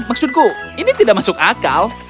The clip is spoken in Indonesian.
maksudku ini tidak masuk akal